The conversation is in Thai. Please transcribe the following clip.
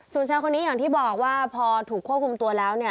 ส่วนชายคนนี้อย่างที่บอกว่าพอถูกควบคุมตัวแล้วเนี่ย